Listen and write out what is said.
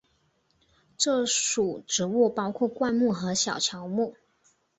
这属植物包括灌木和小乔木。